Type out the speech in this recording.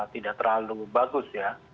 tidak terlalu bagus ya